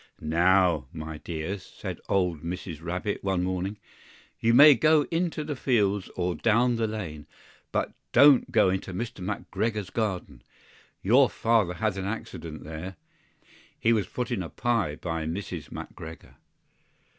"NOW, my dears," said old Mrs. Rabbit one morning, "you may go into the fields or down the lane, but don't go into Mr. McGregor's garden: your Father had an accident there; he was put in a pie by Mrs. McGregor."